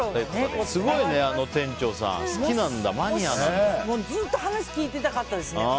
すごいね、あの店長さん好きなんだずっと話を聞いてたかったですね。